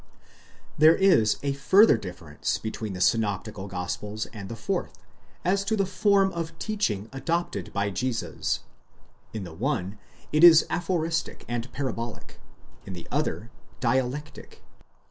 There is a further difference between the synoptical gospels and the fourth, as to the form of teaching adopted by Jesus; in the one, it is aphoristic and parabolic, in the other, dialectic.